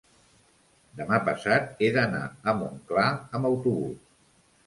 demà passat he d'anar a Montclar amb autobús.